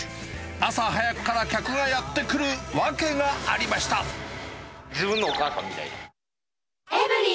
朝早くから客がやって来る訳があ自分のお母さんみたいな。